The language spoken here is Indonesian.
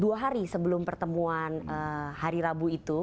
dua hari sebelum pertemuan hari rabu itu